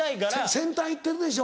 先端行ってるでしょ